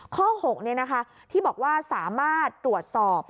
ข้อ๖ที่บอกว่าสามารถตรวจสอบ